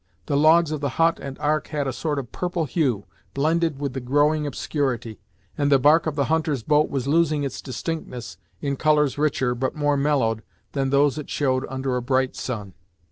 The logs of the hut and Ark had a sort of purple hue, blended with the growing obscurity, and the bark of the hunter's boat was losing its distinctness in colours richer, but more mellowed, than those it showed under a bright sun.